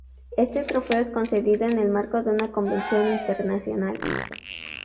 Este trofeo es concedido en el marco de una convención internacional.